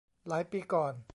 หลายปีก่อน